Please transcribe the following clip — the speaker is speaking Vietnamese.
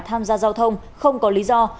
tham gia giao thông không có lý do